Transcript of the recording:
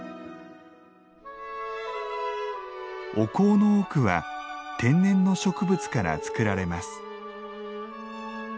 お香の多くは天然の植物から作られます。